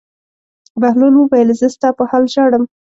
بهلول وویل: زه ستا په حال ژاړم.